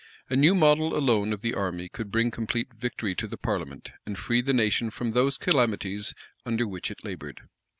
A new model alone of the army could bring complete victory to the parliament, and free the nation from those calamities under which it labored.